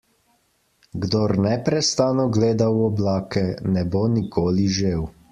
Kdor neprestano gleda v oblake, ne bo nikoli žel.